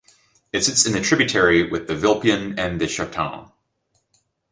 It sits in the tributary with the Vilpion and the Chertemps.